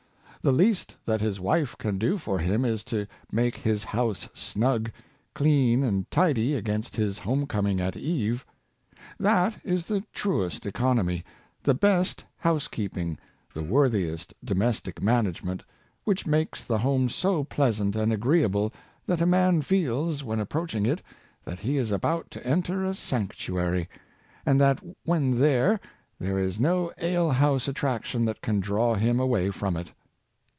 The least that his wife can do for him is to make his house snug, clean and tidy against his home coming at eve. That is the truest economy, the best house keeping, the worthiest domestic management, which makes the home so pleasant and agreeable that a man feels, when approaching it, that he is about to enter a sanctuary; and that when there, there is no ale house attraction that can draw him away from it.